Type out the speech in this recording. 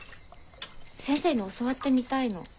先生に教わってみたいの。